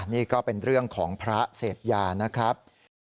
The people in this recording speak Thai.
นี่ก็เป็นเรื่องของพระเสพยานะครับ